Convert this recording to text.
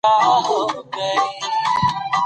پلار مخکې هم ستړی شوی و.